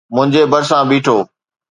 منهنجي ڀرسان بيٺو.